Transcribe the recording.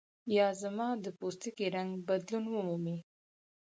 یا زما د پوستکي رنګ بدلون ومومي.